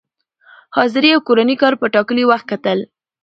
حاضري او کورني کار په ټاکلي وخت کتل،